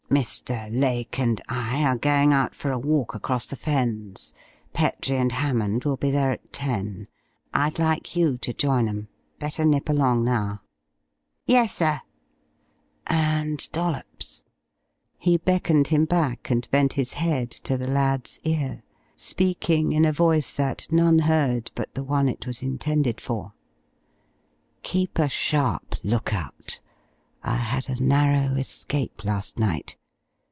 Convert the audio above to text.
"Mr. Lake and I are going out for a walk across the Fens. Petrie and Hammond will be there at ten. I'd like you to join 'em. Better nip along now." "Yessir." "And Dollops" he beckoned him back and bent his head to the lad's ear, speaking in a voice that none heard but the one it was intended for "keep a sharp look out. I had a narrow escape last night.